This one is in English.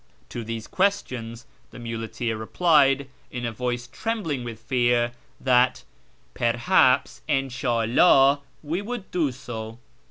To these questions the muleteer replied in a voice trembling with fear, that " perhaps, In shalldh, he would do so."